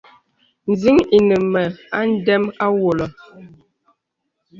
Nzìn̄ inə mə a ndəm àwɔlə.